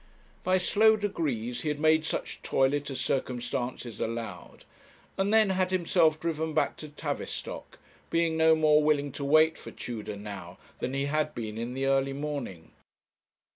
By slow degrees he made such toilet as circumstances allowed, and then had himself driven back to Tavistock, being no more willing to wait for Tudor now than he had been in the early morning.